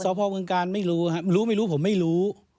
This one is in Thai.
อ๋อสพเมืองกาลไม่รู้รู้ไม่รู้ผมไม่รู้